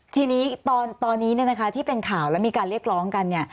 ทีนี้ตอนนี้ที่เป็นข่าวแล้วมีการเรียกร้องกันเนี่ย